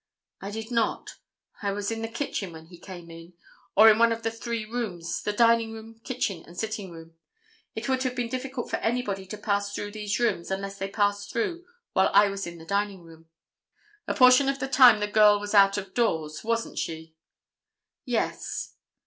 "I did not. I was in the kitchen when he came in, or in one of the three rooms, the dining room, kitchen and sitting room. It would have been difficult for anybody to pass through these rooms unless they passed through while I was in the dining room." "A portion of the time the girl was out of doors, wasn't she?" "Yes."